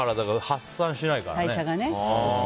発散しないからね。